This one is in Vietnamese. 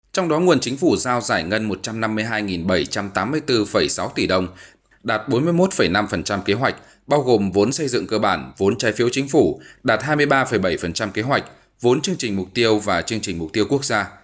trong đó nguồn chính phủ giao giải ngân một trăm năm mươi hai bảy trăm tám mươi bốn sáu tỷ đồng đạt bốn mươi một năm kế hoạch bao gồm vốn xây dựng cơ bản vốn trai phiếu chính phủ đạt hai mươi ba bảy kế hoạch vốn chương trình mục tiêu và chương trình mục tiêu quốc gia